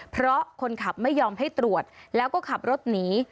เพราะคนขับไม่ยอมให้ตรวจแล้วก็ขับรถหนี